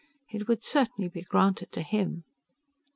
It would certainly be granted to him.